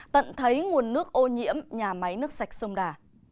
tận thấy nguồn nước ô nhiễm nhà máy nước sạch sông đà